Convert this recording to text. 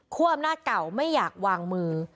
อำนาจเก่าไม่อยากวางมือ